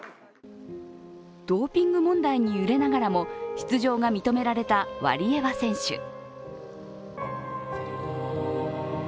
ドーピング問題に揺れながらも出場が認められたワリエワ選手。